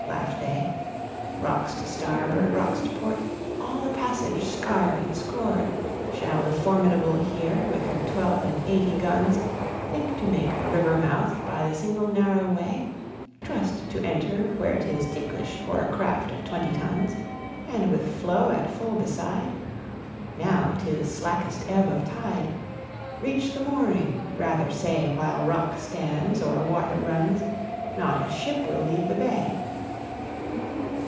laughed they; "Rocks to starboard, rocks to port, all the passage scarred and scored, Shall the Formidable here, with her twelve and eighty guns, Think to make the river mouth by the single narrow way, Trust to enter where 'tis ticklish for a craft of twenty tons. And with flow at full beside? Now 'tis slackest ebb of tide. Reach the mooring! Rather say, While rock stands or water runs, Not a ship will leave the bay!"